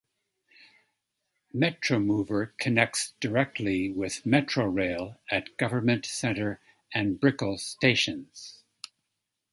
Metromover connects directly with Metrorail at Government Center and Brickell stations.